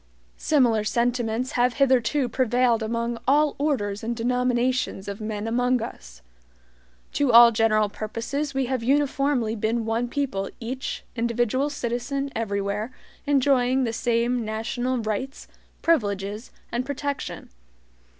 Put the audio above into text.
Similar sentiments have hitherto prevailed among all orders and denominations of men among us. To all general purposes we have uniformly been one people each individual citizen everywhere enjoying the same national rights, privileges, and protection.